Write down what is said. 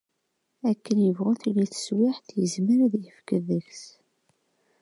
Akken tebɣu tili teswiɛt, yezmer ad d-yefk deg-s.